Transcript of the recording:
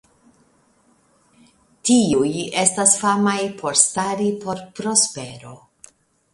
Tiuj estas famaj por stari por prospero.